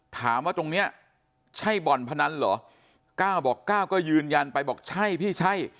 ถามว่าตรงนี้ใช่บ่อนพนันเหรอ๙บอก๙ก็ยืนยันไปบอกใช่พี่ใช่